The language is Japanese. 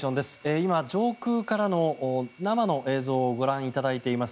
今、上空からの生の映像をご覧いただいています。